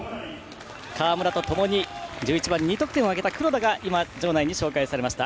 川村とともに１１番、２得点を挙げた場内に紹介されました。